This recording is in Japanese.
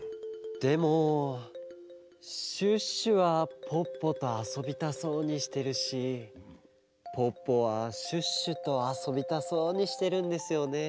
でもシュッシュはポッポとあそびたそうにしてるしポッポはシュッシュとあそびたそうにしてるんですよね。